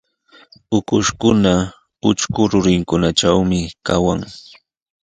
Ukushkuna utrku rurinkunatrawmi kawan.